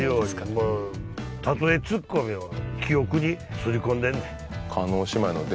例えツッコミを記憶に擦り込んでんねん。